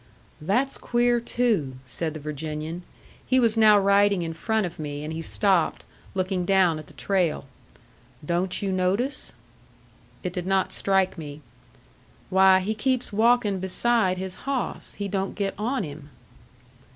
"That's queer, too," said the Virginian. He was now riding in front of me, and he stopped, looking down at the trail. "Don't you notice?" It did not strike me. "Why, he keeps walking beside his hawss; he don't get on him."